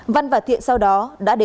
văn và thiện sau đó đã đánh giá